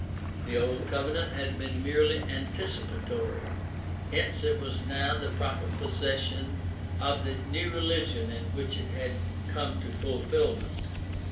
The old covenant had been merely anticipatory, hence it was now the proper possession of the new religion in which it had come to fulfilment.